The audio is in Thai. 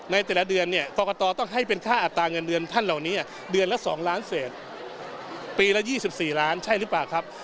ในแต่ละเดือนเนี่ยกรกตต้องให้เป็นค่าอัตราเงินเดือนท่านเหล่านี้เดือนละ๒ล้านเศษปีละ๒๔ล้านใช่หรือเปล่าครับ